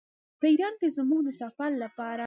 په ایران کې زموږ د سفر لپاره.